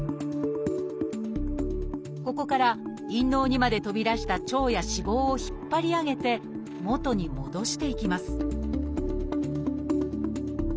ここから陰嚢にまで飛び出した腸や脂肪を引っ張り上げて元に戻していきます